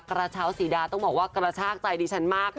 กระเช้าสีดาต้องบอกว่ากระชากใจดิฉันมาก